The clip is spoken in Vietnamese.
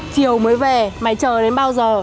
chiều mới về mày chờ đến bao giờ